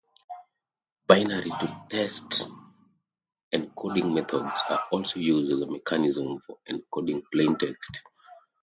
Binary-to-text encoding methods are also used as a mechanism for encoding plain text.